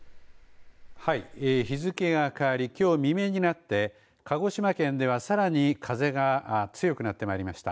はい、日付が変わりきょう未明になって鹿児島県では、さらに風が強くなってまいりました。